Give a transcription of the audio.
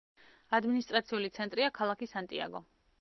ადმინისტრაციული ცენტრია ქალაქი სანტიაგო.